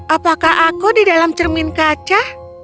apakah aku di dalam cermin kaca